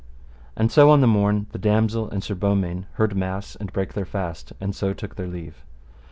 And so on the morn the damosel and Sir Beaumains heard mass and brake their fast, and so took their leave.